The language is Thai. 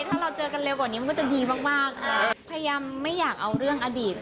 ถ้าเราเจอกันเร็วกว่านี้มันก็จะดีมากพยายามไม่อยากเอาเรื่องอดีต